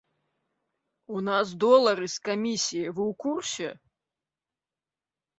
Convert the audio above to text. У нас долары з камісіяй, вы ў курсе?